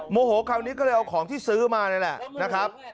โมโหคราวนี้ก็เลยเอาของที่ซื้อมานี่แหละนะครับ